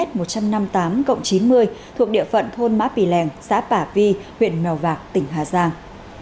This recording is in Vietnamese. thuộc địa phận thôn mã pì lèng xã bả vi huyện mèo vạc tỉnh hà giang